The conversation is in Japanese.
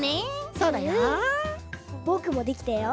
そうだよ。ぼくもできたよ。